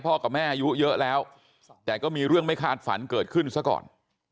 กับแม่อายุเยอะแล้วแต่ก็มีเรื่องไม่คาดฝันเกิดขึ้นซะก่อน